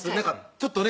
ちょっとね